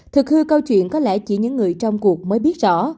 thực hư câu chuyện có lẽ chỉ những người trong cuộc mới biết rõ